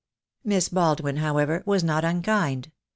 Miss Baldwin, however, was not unkind.